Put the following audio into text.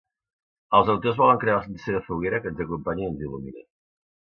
Els autors volen crear la sensació de foguera que ens acompanya i ens il·lumina.